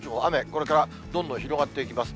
これからどんどん広がっていきます。